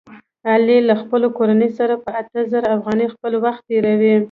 علي له خپلې کورنۍ سره په اته زره افغانۍ خپل وخت تېروي.